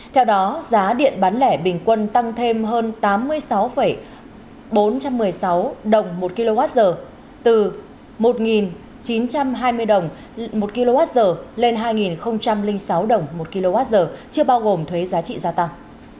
theo đó giá điện bán lẻ bình quân tăng thêm hơn tám mươi sáu bốn trăm một mươi sáu đồng một kwh từ một chín trăm hai mươi đồng